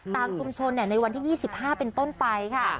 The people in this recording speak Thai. ตามชุมชนในวันที่๒๕เป็นต้นไปค่ะ